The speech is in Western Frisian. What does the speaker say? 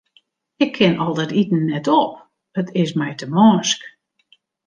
Ik kin al dat iten net op, it is my te mânsk.